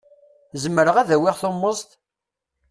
Zemreɣ ad awiɣ tummeẓt?